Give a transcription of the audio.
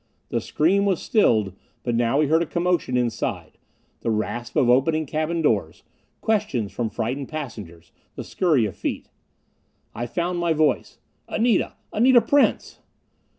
The scream was stilled, but now we heard a commotion inside the rasp of opening cabin doors; questions from frightened passengers; the scurry of feet. I found my voice. "Anita! Anita Prince!"